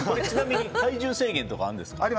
ちなみに体重制限とかあるんですか？